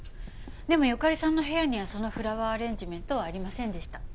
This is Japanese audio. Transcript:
でも由香利さんの部屋にはそのフラワーアレンジメントはありませんでした。